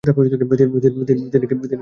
তিনি কী আমকে যেতে বলেছে?